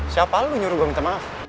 siapa lu nyuruh gue minta maaf